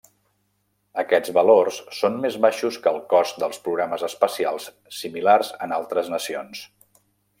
Aquests valors són més baixos que el cost dels programes espacials similars en altres nacions.